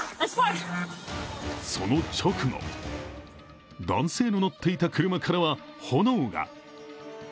その直後、男性の乗っていた車からは炎が。